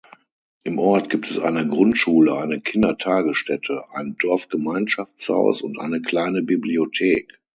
Im Ort gibt es eine Grundschule, eine Kindertagesstätte, ein Dorfgemeinschaftshaus und eine kleine Bibliothek.